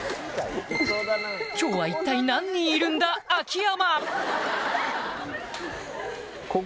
今日は一体何人いるんだ秋山！